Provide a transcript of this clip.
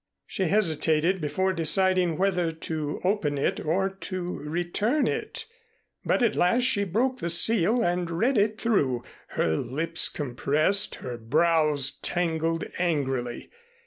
She hesitated before deciding whether to open it or to return it, but at last she broke the seal and read it through, her lips compressed, her brows tangled angrily.